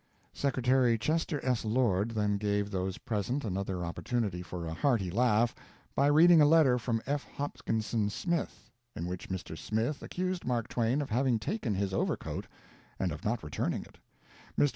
Secretary Chester S. Lord then gave those present another opportunity for a hearty laugh by reading a letter from F. Hopkinson Smith, in which Mr. Smith accused Mark Twain of having taken his overcoat and of not returning it. Mr.